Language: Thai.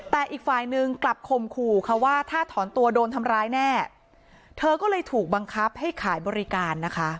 แต่อีกฝ่ายหนึ่งกลับข่มขู่ค่ะว่าถ้าถอนตัวโดนทำร้ายแน่เธอก็เลยถูกบังคับให้ขายบริการนะคะ